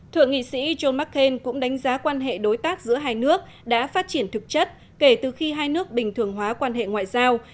thượng nghị sĩ john mccain cũng đánh giá quan hệ đối tác giữa hai nước đã phát triển thực chất kể từ khi hai nước bình thường hóa quan hệ ngoại giao